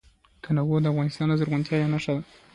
تنوع د افغانستان د زرغونتیا نښه ده.